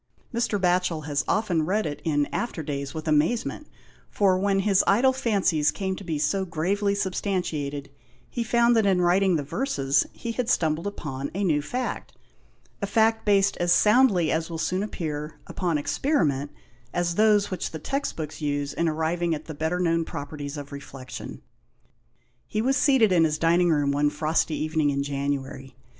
Mr. Batcbel has often read it in after days, with amazement, for, when his idle fancies came to be so gravely substantiated, he found that in writing the verses he had stumbled upon a new fact — a fact based as soundly, as will soon appear, upon experiment, as those which the text books use in arriving at the better known properties r;* reflection. He was seated in his dining room one frosty evening in January.